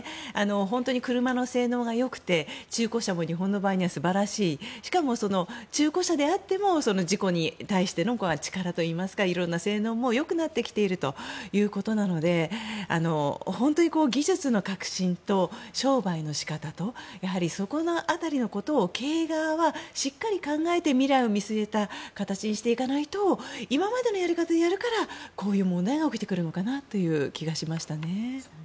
本当に、車の性能が良くて中古車も日本の場合は素晴らしいしかも、中古車であっても事故に対しての力というかいろんな性能も良くなってきているので本当に技術の革新と商売の仕方とそこの辺りのことを経営側がしっかり考えて未来を見据えた形にしていかないと今までのやり方でやるからこういう問題が起きてくるのかなという気がしました。